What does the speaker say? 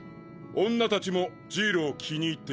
女たちもジイロを気に入っている。